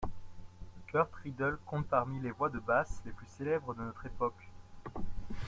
Kurt Rydl compte parmi les voix de basse les plus célèbres de notre époque.